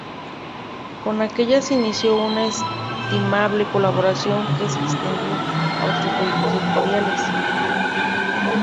Con aquellas inició una estimable colaboración que se extendió a otros proyectos editoriales.